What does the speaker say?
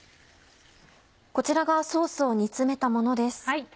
こちらがソースを煮詰めたものです。